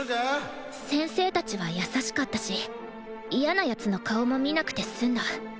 先生たちは優しかったし嫌な奴の顔も見なくて済んだ。